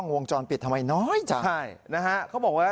แล้วก็เริ่มจะมั่นใจแล้วว่า